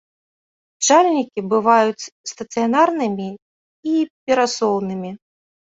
Пчальнікі бываюць стацыянарнымі і перасоўнымі.